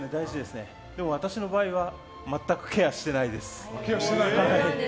私の場合は全くケアしてないです。